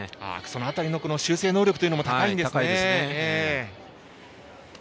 その辺りの修正能力も高いんですね。